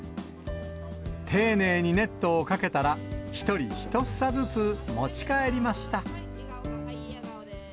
丁寧にネットをかけたら、１人１房ずつ持ち帰りました。